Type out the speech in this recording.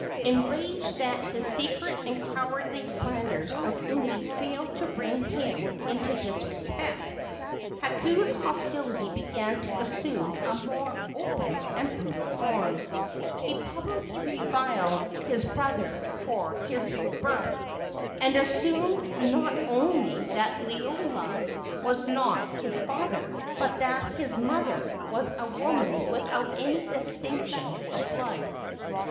Enraged that his secret and cowardly slanders of Umi failed to bring him into disrespect, Hakau's hostility began to assume a more open and brutal form. He publicly reviled his brother for his low birth, and assumed not only that Liloa was not his father, but that his mother was a woman without any distinction of blood.